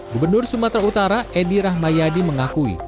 gubernur sumatera utara edi rahmayadi mengakui